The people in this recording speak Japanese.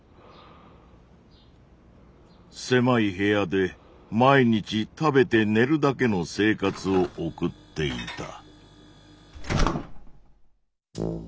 狭い部屋で毎日食べて寝るだけの生活を送っていた。